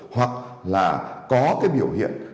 hoặc là có cái biểu hiện